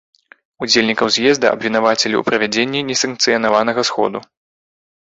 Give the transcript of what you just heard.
Удзельнікаў з'езда абвінавацілі ў правядзенні несанкцыянаванага сходу.